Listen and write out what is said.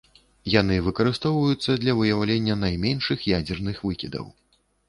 Яны выкарыстоўваюцца для выяўлення найменшых ядзерных выкідаў.